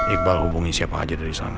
iqbal hubungi siapa aja dari sana